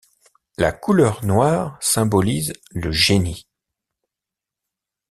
La couleur noire symbolise le génie.